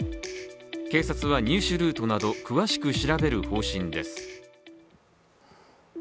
警察は入手ルートなど詳しく調べる方針です。